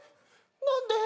何で？